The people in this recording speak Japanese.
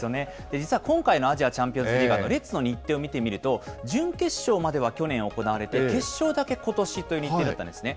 実は今回のアジアチャンピオンズリーグ、レッズの日程を見てみると、準決勝までは去年行われて、決勝だけことしという日程だったんですね。